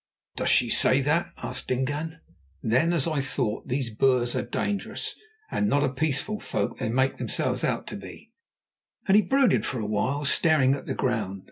"Does she say that?" said Dingaan. "Then, as I thought, these Boers are dangerous, and not the peaceful folk they make themselves out to be," and he brooded for a while, staring at the ground.